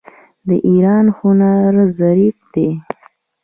د ایران هنر ظریف دی.